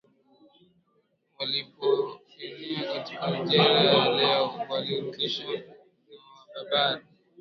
Walipoenea katika Algeria ya leo walirudishwa na Waberber